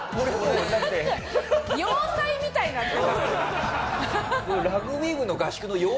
要塞みたいになってますよ。